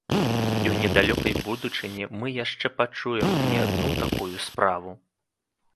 І ў недалёкай будучыні мы яшчэ пачуем не адну такую справу.